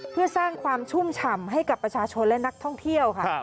เพื่อสร้างความชุ่มฉ่ำให้กับประชาชนและนักท่องเที่ยวค่ะ